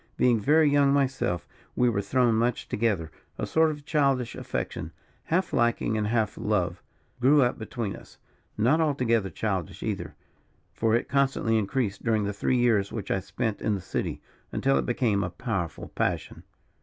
Being very young myself, we were thrown much together, a sort of childish affection, half liking and half love, grew up between us not altogether childish either; for it constantly increased during the three years which I spent in the city, until it became a powerful passion.